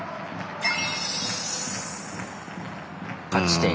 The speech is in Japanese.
勝ち点１。